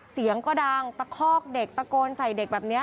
เสียงก็ดังตะคอกเด็กตะโกนใส่เด็กแบบนี้